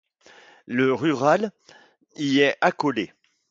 Le rural y est accolé.